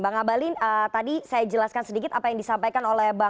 bang abalin tadi saya jelaskan sedikit apa yang disampaikan oleh bang